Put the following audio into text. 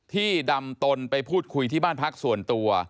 ที่ดำตนไปพูดคุยที่บ้านพักส่วนตัว